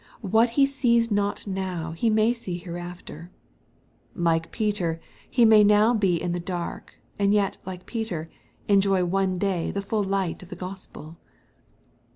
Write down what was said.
What he sees not now, he may see hereafter. Like Peter, he may now be in the dark, and yet, like Peter, enjoy one day the fuU light of the Gospel.